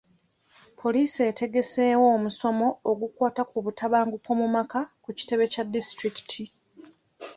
Poliisi etegeseewo omusomo ogukwata ku butabanguko mu maka ku kitebe kya disitulikiti.